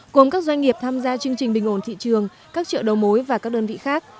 gồm các doanh nghiệp tham gia chương trình bình ổn thị trường các chợ đầu mối và các đơn vị khác